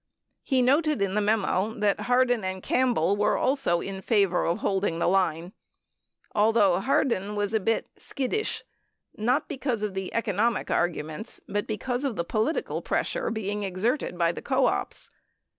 21 He noted in the memo that Hardin and Campbell were also in favor of holding the line, although Hardin was a bit "skiddish" — not because of the economic arguments but be cause of the political pressure being exerted by the co ops.